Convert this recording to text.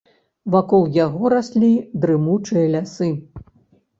Вакол яго раслі дрымучыя лясы.